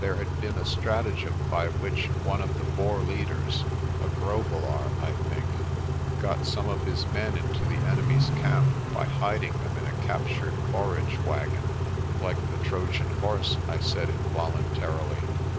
There had been a stratagem by which one of the Boer leaders a Grobelaar, I think got some of his men into the enemy's camp by hiding them in a captured forage wagon. "Like the Trojan horse," I said involuntarily.